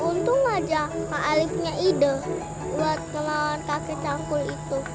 untung aja pak ali punya ide buat ngelawan kakek cangkul itu